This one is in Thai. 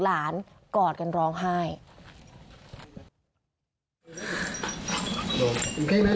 ถ้าหนูทำแบบนั้นพ่อจะไม่มีรับบายเจ้าให้หนูได้เอง